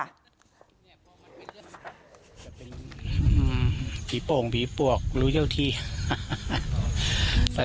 หญิงบอกว่าจะเป็นพี่โป่งหญิงบอกว่าจะเป็นพี่ปวกหญิงบอกว่าจะเป็นพี่ปวก